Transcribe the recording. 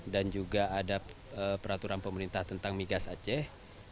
dan juga ada peraturan pemerintah tentang migas aceh